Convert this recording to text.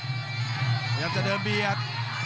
พยายามจะเดินเบียด